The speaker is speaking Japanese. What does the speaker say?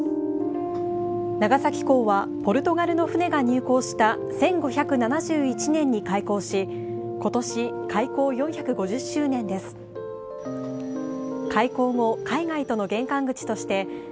長崎港はポルトガルの船が入港した１５７１年に開港しことし開港４５０周年です。